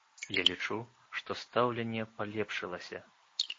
Я лічу, што стаўленне палепшылася.